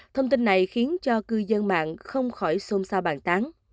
thông tin này khiến cho cư dân mạng không khỏi xôn xao bàn tán